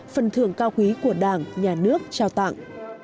phần thường cao khí của đảng nhà nước trao tặng